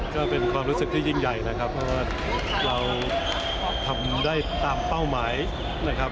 ก็เป็นความรู้สึกที่ยิ่งใหญ่นะครับเพราะว่าเราทำได้ตามเป้าหมายนะครับ